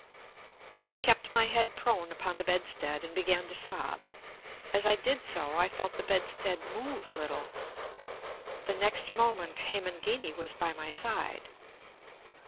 I kept my head prone upon the bedstead and began to sob. As I did so, I felt the bedstead move a little. The next moment Hemangini was by my side.